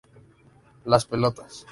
Las Pelotas!